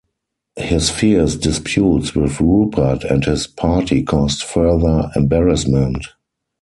His fierce disputes with Rupert and his party caused further embarrassment.